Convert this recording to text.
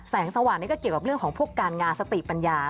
สว่างนี่ก็เกี่ยวกับเรื่องของพวกการงานสติปัญญา